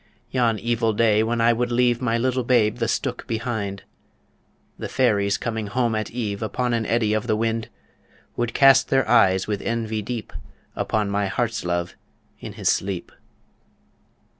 Yon evil day when I would leave My little babe the stook behind! The fairies coming home at eve Upon an eddy of the wind, Would cast their eyes with envy deep Upon my heart's love in his sleep.